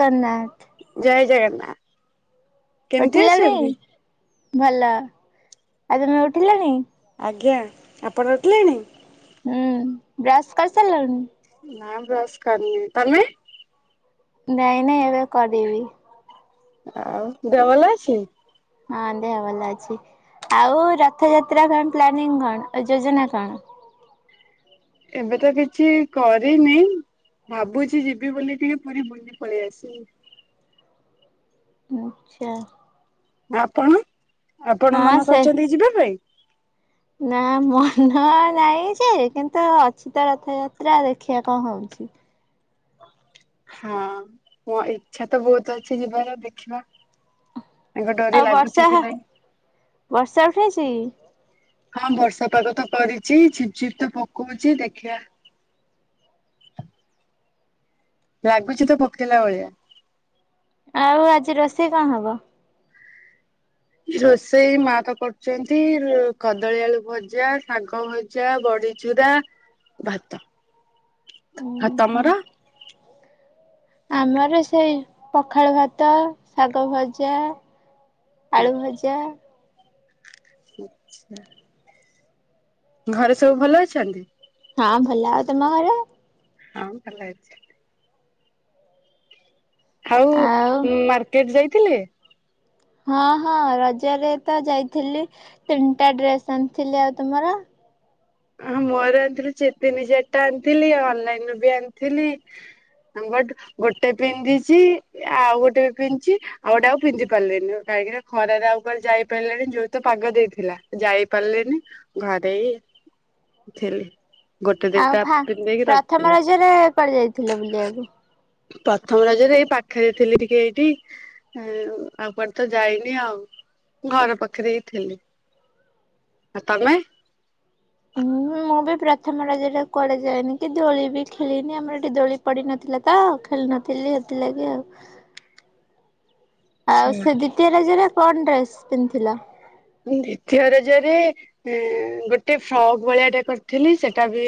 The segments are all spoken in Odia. କରନା [inaudible] ଜୟ ଜଗନ୍ନାଥ। କେମିତି ଉଠିଲାଣି ଅଛନ୍ତି? ଭଲ ଆଉ ତମେ ଉଠିଲଣି? ଆଜ୍ଞା ଆପଣ ଉଠିଲେଣି? ହୁଁ ବ୍ରସ୍ କରିସାରିଲାଣି? ନାଇଁ ବ୍ରସ୍ କରନି ତମେ? ନାଇଁ ନାଇଁ ଏବେ କରିବି। ଆଉ ଦେହ ଭଲ ଅଛି? ହଁ ଦେହ ଭଲ ଅଛି। ଆଉ ରଥଯାତ୍ରା ପ୍ଲାନିଂ କଣ ଏ ଯୋଜନା କଣ? ଏବେ ତ କିଛି କରିନି ଭାବୁଛି ଯିବି ବୋଲି ଟିକେ ପୁରୀ ବୁଲି ପଳେଇ ଆସିିବ। ଆଛା। ଆପଣ ଆପଣ ହଁ ମନେ ସେ କରିଚନ୍ତି କି ଯିବା ପାଇଁ? ନା ମନ ନାହିଁ ଯେ କିନ୍ତୁ ଅଛି ତ ରଥଯାତ୍ରା ଦେଖିବା କଣ ହଉଛି। ହଁ ମୁଁ ଇଚ୍ଛା ତ ବହୁତ ଅଛି ଯିବାର ଦେଖିବା ତାଙ୍କ ଡୋରି ଆଉ ଲାଗୁଛି କି ନାଇଁ। ବର୍ଷା-ବର୍ଷା ଉଠେଇଛି କି? ହଁ ବର୍ଷା ପାଗ ତ କରିଛି ଝିପ୍-ଝିପ୍ ତ ପକଉଛି ଦେଖିବା। ଲାଗୁଛି ତ ପକେଇଲା ଭଳିଆ। ଆଉ ଆଜି ରୋଷେଇ କଣ ହବ? ରୋଷେଇ ମା ତ କରୁଛନ୍ତି କଦଳୀ ଆଳୁ ଭଜା, ଶାଗ ଭ ଜା ବଢିଚୁରା ଭାତ। ଆଉ ତମର? ଆମର ସେଇ ପଖାଳ ଭାତ, ଶାଗ ଭଜା ଆଳୁ ଭଜା। ଆଛା। ଘରେ ସବୁ ଭଲ ଅଛନ୍ତି? ହଁ, ଭଲ ଆଉ ତମ ଘରେ? ହଁ, ଭଲ ଅଛି। ଆଉ ଉଁ ମାର୍କେଟ ଯାଇଥିଲେ? ହଁ, ହଁ ରଜରେ ତ ଯାଇଥିଲି ତିନିଟା ଡ୍ରେସ ଆଣିଥିଲି ଆଉ ତୁମର? ଓହୋ! ମୋର ଆଣିଥିଲି ଚି ତିନି, ଚାରିଟା ଆଣିଥିଲି ଆଉ ଅନଲାଇନରୁ ବି ଆଣିଥିଲି। [unintelligible] ଗୋଟେ ପିନ୍ଧିଛି, ଆଉ ଗୋଟେ ବି ପିନ୍ଧିଛି, ଆଉ ଗୋଟେ ଆଉ ପିନ୍ଧି ପାରିଲିନି ଗୋଟେ କାହିଁକି ନା ଖରାରେ ଆଉ କୁଆଡ଼େ ଯାଇପାରିଲେଣି ଯୋଉ ତ ପାଗ ଦେଇଥିଲା ଯାଇପାରିଲେନି ଘରେ ଏଇ ଥିଲି। ଆଉ ଦିଟା ଫା ପିନ୍ଧି ଦେଇକି ପ୍ରଥମ ରଖିଥିଲେ। ରଜରେ କୁଆଡ଼େ ଯାଇଥିଲେ ବୁଲିବାକୁ? ପ୍ରଥମ ରଜରେ ଏଇ ପାଖରେ ଥିଲି ଟିକେ ଏଇଠି ଉଁ ଆଉ କୁଆଡ଼େ ତ ଯାଇନି ଆଉ ଘର ପାଖରେ ହି ଥିଲି। ଆଉ ତମେ? ହୁଁ ମୁଁ ବି ପ୍ରଥମ ରଜଟା କୁଆଡେ ଯାଇନି କି ଦୋଳି ବି ଖେଳିନି ଆମର ଏଠି ଦୋଳି ପଡିିନ ଥିଲା ତ ଖେଳ ନଥିଲି ସେଥିଲାଗି ଆଉ ଆଚ୍ଛା। ଆଉ ସେ ଦ୍ୱିତୀୟ ରଜରେ କଣ ଡ୍ରେସ ପିନ୍ଧିଥିଲା? ଦ୍ୱିତୀୟ ରଜରେ ଉଁ ଗୋଟେ ଫ୍ରକ୍ ଭଳିଆ ଟା କରିଥିଲି ସେଟା ବି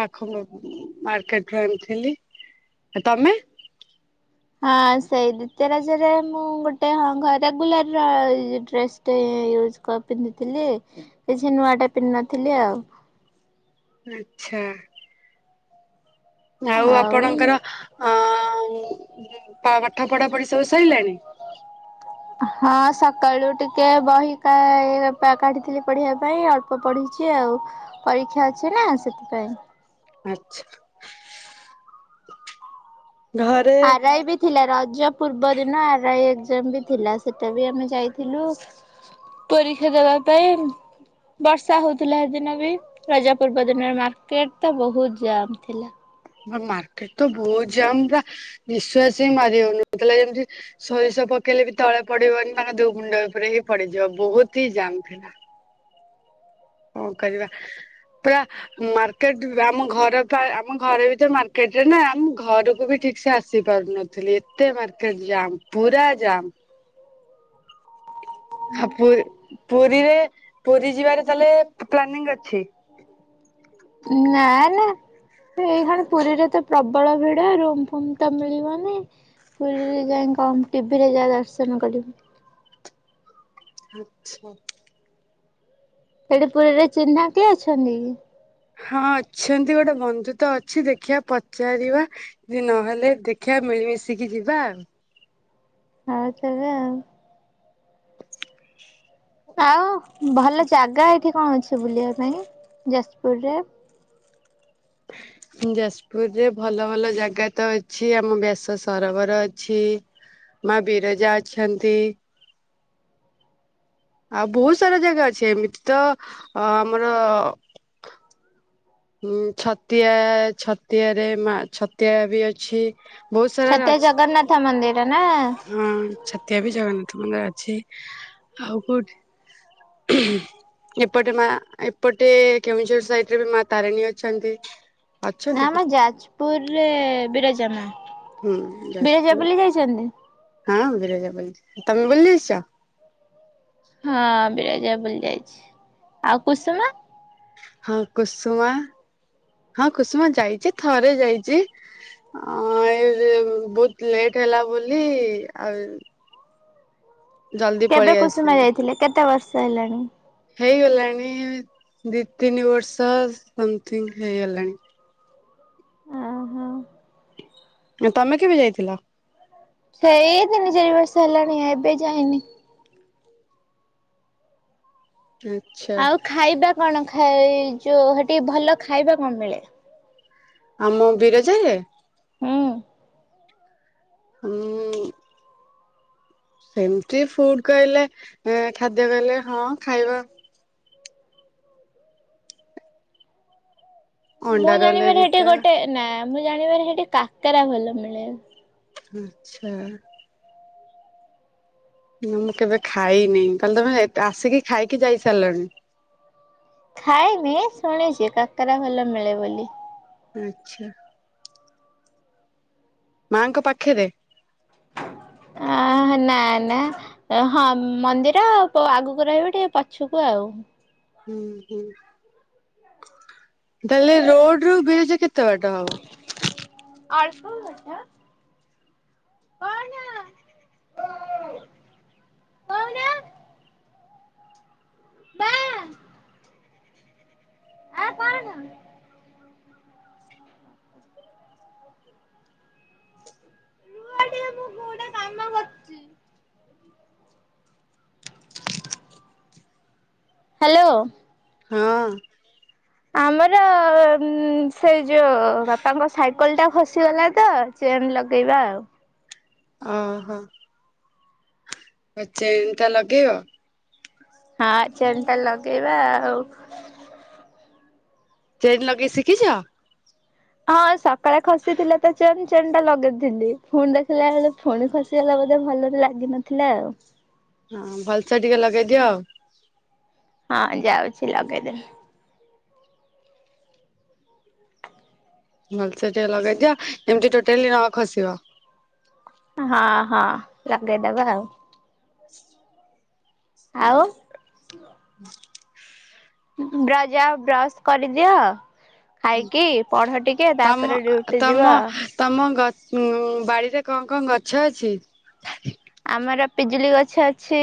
ପାଖ ମାର୍କେଟରୁ ଆଣିଥିଲି ତମେ? ହଁ, ସେଇ ଦ୍ଵିତୀୟ ରଜରେ ମୁଁ ଗୋଟେ ହଁ ଘରେ ରେଗୁଲାର ଡ୍ରେସ୍ ତେ ୟୁଜ କ ପିନ୍ଧିଥିଲି କିଛି ନୂଆଟା ପିନ୍ଧିନଥିଲି ଆଉ। ଆଚ୍ଛା! ଆଉ ଆପଣଙ୍କର ଅ ପାଠ ପଢା ପଢି ସବୁ ସରିଲାଣି? ହଁ, ସକାଳୁ ଟିକେ ବହିକା କାଢିଥିଲି ପଢିବା ପାଇଁ ପଢ଼ିଛି ଆଉ ପରୀକ୍ଷା ଅଛି ନା ସେଥିପାଇଁ ଆଚ୍ଛା! ଘରେ ଆର ଆଇ ବି ଥିଲା ରଜ ପୂର୍ବ ଦିନ ଆର ଆଇ ଏକଜାମ ବି ଥିଲା ସେଟା ବି ଆମେ ଯାଇଥିଲୁ ପରୀକ୍ଷା ଦେବା ପାଇଁ। ବର୍ଷା ହଉଥିଲା ସେଦିନ ବି ରଜା ପୂର୍ବ ଦିନରେ ମାର୍କେଟ ତ ବହୁତ ଜାମ ଥିଲା। ମାର୍କେଟ ତ ବହୁତ ଜାମ୍ ପୁରା ନିଶ୍ୱାସ ହି ମାରି ହଉନଥିଲା ଯେମିତି ସୋରିଷ ପକେଇଲେ ବି ତଳେ ପଡିବନି ତାଙ୍କ ଦୋ ଗୁଣ୍ଡ ଉପରେ ହିଁ ପଡିଯିବ ବହୁତ ହିଁ ଜାମ୍ ଥିଲା। କଣ କରିବା ପୁରା ମାର୍କେଟ ଆମ ଘର ଆମ ଘର ପା ଘରେ ଆମ ଘର ବି ତ ମାର୍କେଟ ରେ ନା ଆମ ଘରକୁ ବି ଠିକ ସେ ଆସି ପାରୁନ ଥିଲ ଏତେ ମାର୍କେଟ ଜମ୍ ପୁରା ଜାମ୍। ଆଉ ପୁ ପୁରୀରେ ପୁରୀ ଯିବାରେ ତାହେଲେ ପ୍ଲାନିଂ ଅଛି? ନା ନା। ଏଇ ଖାଣ ପୁରୀରେ ତ ପ୍ରବଳ ଭିଡ଼ ରୁମ୍ ଫୁମ୍ ତ ମିଳିବନି। ପୁରୀରେ ଯାଇ କଣ ଟି ଭି ରେ ଯାହା ଦର୍ଶନ କରିବୁ। ଆଚ୍ଛା। ସେଇଠି ପୁରୀରେ ଚିହ୍ନା କିଏ ଅଛନ୍ତି କି? ହଁ ଅଛନ୍ତି ଗୋଟେ ବନ୍ଧୁ ତ ଅଛି ଦେଖିବା ପଚାରିବା। ଯଦି ନହେଲେ ଦେଖିବା ମିଳିମିଶିକି ଯିବା ଆଉ। ହଉ ତେବେ ଆଉ। ଆଉ ଭଲ ଜାଗା ଏଇଠି କଣ ଅଛି ବୁଲିବା ପାଇଁ ଯାଜପୁରରେ? ହଁ। ଯାଜପୁରରେ ଭଲ ଭଲ ଜାଗା ତ ଅଛି ଆମ ବ୍ୟାସ ସରୋବର ଅଛି। ମାଁ ବିରଜା ଅଛନ୍ତି। ଆଉ ବହୁତ ସାରା ଜାଗା ଅଛି ଏମିତି ତ ଅ ଆମର ଉଁ ଛତିଆ ଛତିଆରେ ମା ଛତିଆ ବି ଅଛି। ବହୁତ ସାରା ଛତିଆ ଅଛି ଜଗନ୍ନାଥ ମନ୍ଦିର୍ ହଁ ଛତିଆ ବି ଜଗନ୍ନାଥ ମନ୍ଦିର ଅଛି ଆଉ କୋଉଠି? ଉଁ ହୁଁ। ଏପଟେ ମାଆ ଏପଟେ କେଉଁଝର ସାଇଟରେ ବି ମାଆ ତାରିଣୀ ଅଛନ୍ତି। ନା ଅଛନ୍ତି। ଆମ ଯାଜପୁରରେ ବିରଜା ମାଆ ବିରଜା ବୁଲି ଯାଇଚନ୍ତି? ହଁ ବିିରଜା ବୁଲୁଚି ତମେ ବୁଲି ଆସଚ? ହଁ ବିରଜା ବୁଲି ଯାଇଚି ଆଉ କୁସୁମା? ହଁ କୁସୁମା ହଁ କୁସୁମା ଯାଇଚି ଥରେ ଯାଇଚି। ହଁ ଏ ଯୋଉ ବୋହୁତ ଲେଟ ହେଲା ବୋଲି ଆଉ ଜଲଦି କେବେ ପଳେଇ କୁସୁମା ଆସିଲି ଯାଇଥିଲେ କେତେ ବର୍ଷ ହେଲାଣି? ହେଇଗଲାଣି ଦିଇତିନି ବର୍ଷ ସମଥିଙ୍ଗ ହେଇଗଲାଣି। ଓହୋ। ନା ତମେ କେବେ ଯାଇଥିଲ? ସେଇ ତିନିଚାରି ବର୍ଷ ହେଲାଣି ଏବେ ଯାଇନି। ଆଚ୍ଛା। ଆଉ ଖାଇବା କଣ ଖାଇ ଯୋଉ ହେଠି ଭଲ ଖାଇବା କଣ ମିଳେ? ଆମ ବିରଜାରେ? ହୁଁ। ହୁଁ। ସେମତି ଫୁଡ କହିଲେ ଖାଦ୍ୟ କହିଲେ ହଁ ଖାଇବା ମୁଁ ଅଣ୍ଡା ରୋଲ ଜାଣିବାରେ ହେଠି ହେରିକା ଗୋଟେ ନା ମୁଁ ଜାଣିବାର ହେଠି କାକରା ଭଲ ମିଳେ। ଆଚ୍ଛା। ନା ମୁଁ କେବେ ଖାଇନି କହିଲେ ତମେ ଆସିକି ଖାଇକି ଯାଇ ସାରଲଣି। ଖାଇନି ଶୁଣିଚି କାକରା ଭଲ ମିଳେ ବୋଲି। ଆଚ୍ଛା। ମାଆଙ୍କ ପାଖେରେ? ଆ ଆହାଁ ନା ନା ଏ ହଁ ମନ୍ଦିର ପ ଆଗକୁ ରହିବ ଟିକେ ପଛକୁ ଆଉ। ହୁଁ ହୁଁ ତାହାଲେ ରୋଡ଼ରୁ ବିରଜା କେତେ ବାଟ ହବ? ଅଳ୍ପ ବାଟ। କଣ କୋହୁନ। ବା ଆ କଣ? ମୁଁ ଗୋଟେ କରଚି। ହାଲୋ। ହଁ। ଆମର ଅମ୍ ସେ ଯୋଉ ବାପାଙ୍କ ସାଇକଲଟା ଖସ୍ ଆସିଗଲା ତ ଚେନ୍ ଲଗେଇବା ଆଉ। ଅହଁ ଚେନଟା ଲଗେଇବ? ହଁ ଚେନଟା ଲଗେଇବା ଆଉ। ଚେନ୍ ଲଗେଇ ଶିକିଚ? ହଁ ସକାଳେ ଖସିଥିଲା ତ ଚେନ ଚେନଟା ଲଗେଇଥିଲି ଫୁଣି ଦେଖିଲା ବେଳେ ଫୁଣି ଖସି ସେ ହେଲା ବୋଧେ ଭଲରେ ଲାଗିନଥିଲା ଆଉ। ହଁ ଭଲସେ ଟିକେ ଲଗେଇଦିଅ ଆଉ। ହଁ ଯାଉଚି ଲଗେଇଦେମି। ଭଲସେ ଟିକେ ଲଗେଇଦିଅ ଯେମତି ଟୋଟାଲି ନ ଖସିବ। ହଁ ହଁ ଲଗେଇଦବା ଆଉ। ଆଉ ହ ବ୍ର ଯାଅ ବ୍ରସ କରିଦିଅ। ଖାଇକି ପଢ ଟିକେ ତମ ତାପରେ ଡ୍ୟୁଟି ତମ ଯିବ ଆ। ତମ ଗ ଉଁ ବାଡିରେ କଣ କଣ ଗଛ ଅଛି? ଆମର ପିଜୁଲି ଗଛ ଅଛି।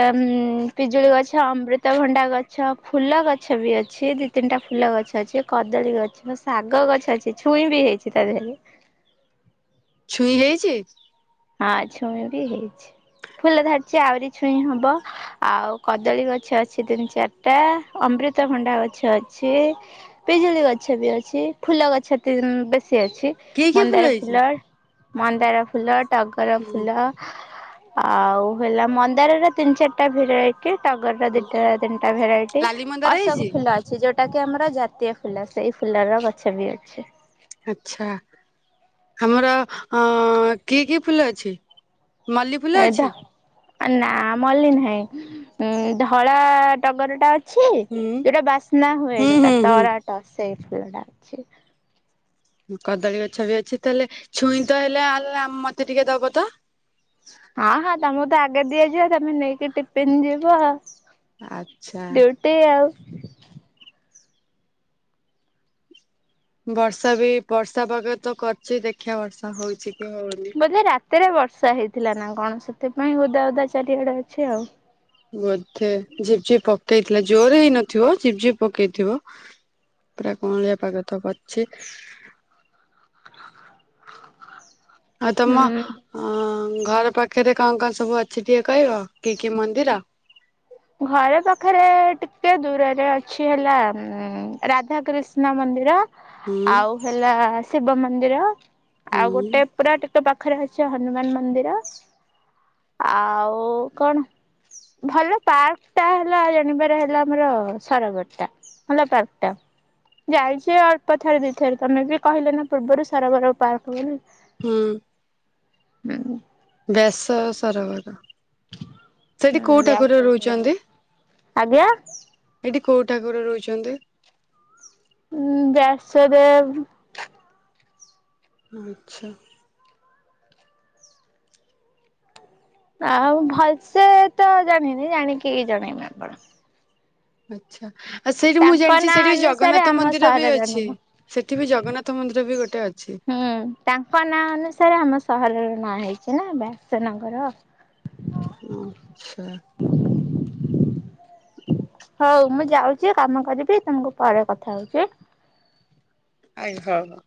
ଏମ୍ ପିଜୁଳି ଗଛ ଅମୃତଭଣ୍ଡା ଗଛ ଫୁଲ ଗଛ ବି ଅଛି ଦି ତିନିଟା ଫୁଲ ଗଛ ଅଛି। କଦଳୀ ଗଛ ଶାଗ ଗଛ ଅଛି ଛୁଇଁ ବି ହେଇଛି ତା ଦେହରେ। ଛୁଇଁ ହେଇଛି? ହଁ ଛୁଇଁ ବି ହେଇଛି ଫୁଲ ଧରିଛି ଆହୁରି ଛୁଇଁ ହବ। ଆଉ କଦଳୀ ଗଛ ଅଛି ତିନି ଚାରିଟା ଅମୃତଭଣ୍ଡା ଗଛ ଅଛି। ପିଜୁଳି ଗଛ ବି ଅଛି ଫୁଲ ଗଛ ତିନ ବେଶୀ ଅଛି। କି କି ମନ୍ଦାର ହେଇଛି? ଫୁଲ ମନ୍ଦାର ଫୁଲ ଟଗର ହୁଁ ଫୁଲ। ଆଉ ହେଲା ମନ୍ଦାରରେ ତିନି ଚାରିଟା ଭିଡ଼ରାଇଟ କି ଟଗର ର ହୁଁ ଦିଟା ତିନିଟା ଭେରାଇଟି ଲାଲି ମନ୍ଦାର ଅସକ ହେଇଛି ଫୁଲ ଅଛି ଛି ଯୋଉଟା କି ଆମର ଜାତୀୟ ଫୁଲ ସେଇ ଫୁଲର ଗଛ ବି ଅଛି। ଆଛା ହାମର ଅଁ କି କି ଫୁଲ ଅଛି? ମଲ୍ଲି ଫୁଲ ଢ ଅଛି? ନା ମଲ୍ଲି ନାହିଁ। ଉଁ ଧଳା ଟଗର ଟା ଅଛ ଛି ହୁଁ ଯୋଉଟା ବାସ୍ନା ହୁଏ ହୁଁ ଯୋଉଟା ହୁଁ ତରାଟ ସେଇ ଫୁଲଟା ଅଛି। କଦଳୀ ଗଛ ବି ଅଛି ତାହେଲେ ଛୁଇଁ ତ ହେଲେ ଲେ ମତେ ଟିକେ ଦବ ତ। ହଁ ହଁ ତମକୁ ତ ଆଗେ ଦିଆଯିବ ତମେ ନେଇକି ଟିପିନ୍ ଯିବ। ଆଛା [unintelligible] ବର୍ଷା ବି ବର୍ଷା ପାଗ ତ କରଚି ଦେଖିଆ ବର୍ଷା ହଉଛି କି ହୋଉନି। ବୋଧେ ରାତିରେ ବର୍ଷା ହେଇଥିଲା ନା କଣ ସେଥିପାଇଁ ଓଦା ଓଦା ଚାରିଆଡେ ଅଛି ଆଉ ବୋଧେ ଝିପ୍ ଝିପ୍ ପକେଇଥିଲା ଜୋର ହେଇନଥିବ ଝିପ୍ ଝିପ୍ ପକେଇଥିବ। ପୁରା କଅଁଳିଆ ପାଗ ତ କରଚି ଆଉ ତମ ହୁଁ। ଅ ଘର ପାଖରେ କଣ କଣ ସବୁ ଅଛି ଟିକେ କହିବ କି କି ମନ୍ଦିର? ଘର ପାଖରେ ଟିକେ ଦୂରରେ ଅଛି ହେଲା ଉଁ ରାଧା କୃିଷ୍ଣା ମନ୍ଦିର। ହୁଁ ଆଉ ହେଲା ଶିବ ମନ୍ଦିର ହୁଁ ଆଉ ଗୋଟେ ପୁରା ଟ ତ ପାଖରେ ଅଛି ହନୁମାନ ମନ୍ଦିର। ଆଉ କଣ? ଭଲ ପାର୍କ ଟା ହେଲା ଜାଣିବାରେ ହେଲା ଆମର ସରଗଡ଼ ଟା ଭଲ ପାର୍କ ଟା। ଯାଇଛି ଅଳ୍ପ ଥରେ ଦି ଥରେ ତମେ ବି କହିଲ ନା ପୂର୍ବରୁ ସରବର ପାର୍କ ବୋଲି। ହୁଁ ହୁଁ ବ୍ୟାସ ସରୋବର। କୋଉ ଠାକୁର ବ୍ୟାସ ରହୁଛନ୍ତି? ଆଜ୍ଞା ଏଇଠି କୋଉ ଠାକୁର ରହୁଛନ୍ତି? ଉଁ ବ୍ୟାସଦେବ୍ ଆଛା ଆଉ ଭଲସେ ତ ଜାଣିନି ଜାଣିକି ଜଣେଇମି ଆପଣ ଆଛା ଆଉ ସେଇଠି ମୁଁ ତାଙ୍କ ଜାଣିଛି ନାଁ ସେଇଠି ଅନୁସାରେ ଜଗନ୍ନାଥ ଆମ ମନ୍ଦିର ବି ସହରର ଅଛି। ନାମ। ସେଠି ବି ଜଗନ୍ନାଥ ମନ୍ଦିର ବି ଗୋଟେ ଅଛି। ହୁଁ ତାଙ୍କ ନାଁ ଅନୁସାରେ ଆମ ସହରର ନାଁ ହେଇଛି ନା ବ୍ୟାସନଗର। ଆଛା ହୋଉ ମୁଁ ଯାଉଚି କାମ କରିବି ତମକୁ ପରେ କଥା ହୋଉଚି ଆଜ୍ଞ ହଉ ହଉ